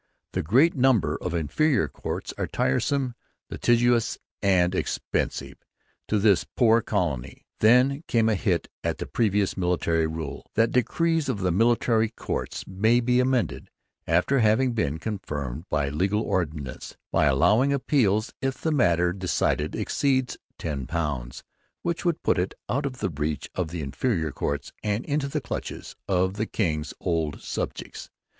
'The great number of inferior Courts are tiresome, litigious, and expensive to this poor Colony.' Then came a hit at the previous military rule 'That Decrees of the military Courts may be amended [after having been confirmed by legal ordinance] by allowing Appeals if the matter decided exceed Ten Pounds,' which would put it out of the reach of the 'inferior Courts' and into the clutches of 'the King's Old Subjects.'